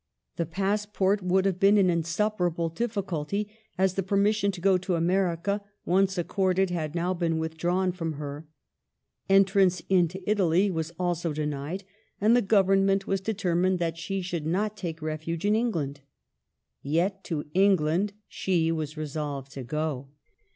The passport would have been an insuperable difficulty, as the per mission to go to America, once accorded, had now been withdrawn from her; entrance into Italy was also denied, and the Government was determined that she should not take refuge in England. Yet to England she was resolved to go.